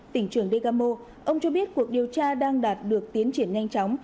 tỉnh trường degamo ông cho biết cuộc điều tra đang đạt được tiến triển nhanh chóng